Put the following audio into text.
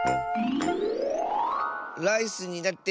ライスになって